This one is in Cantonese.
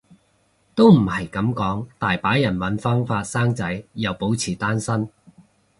都唔係噉講，大把人搵方法生仔又保持單身